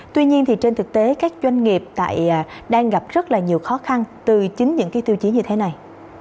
tuy nhiên thì trên thực tế các doanh nghiệp đang gặp rất là nhiều khó khăn từ chính những tiêu chí như thế này